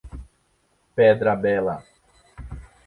Pedra Bela